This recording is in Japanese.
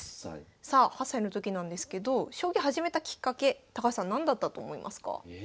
さあ８歳の時なんですけど将棋始めたきっかけ高橋さん何だったと思いますか？え？